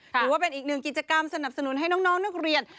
ถือว่าเป็นอีกหนึ่งกิจกรรมสนับสนุนให้น้องนักเรียน